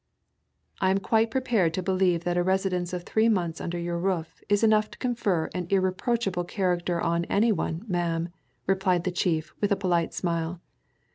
"I am quite prepared to believe that a residence of three months under your roof is enough to confer an irreproachable character on any one, ma'am," replied the chief with a polite smile.